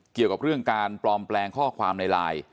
เกี่ยวกับเรื่องการปลอมแปลงข้อความในไลน์